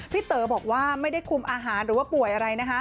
เต๋อบอกว่าไม่ได้คุมอาหารหรือว่าป่วยอะไรนะคะ